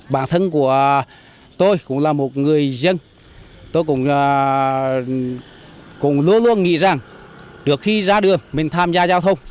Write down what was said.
bản thân của tôi cũng là một người dân tôi cũng luôn luôn nghĩ rằng trước khi ra đường mình tham gia giao thông